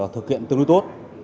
thực hiện tương đối tốt